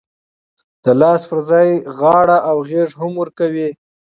د لاس پر ځای غاړه او غېږ هم ورکوي.